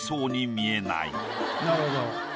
なるほど。